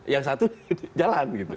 yang satu jalan gitu